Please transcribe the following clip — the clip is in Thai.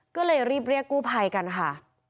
ก็เลยรีบเรียกกู้ภัยกันค่ะ